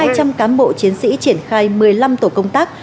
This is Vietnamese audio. hai trăm linh cán bộ chiến sĩ triển khai một mươi năm tổ công tác